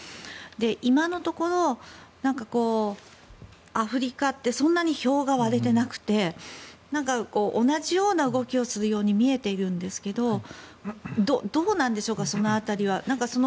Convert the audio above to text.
今のところ、アフリカってそんなに票が割れてなくて同じような動きをするように見えているんですがどうなんでしょうかその辺りは。